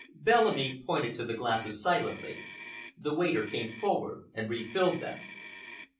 Bellamy pointed to the glasses silently. The waiter came forward and refilled them.